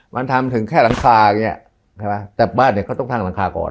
มันทำถึงแค่หลังคาอย่างนี้ใช่ไหมแต่บ้านเนี่ยเขาต้องสร้างหลังคาก่อน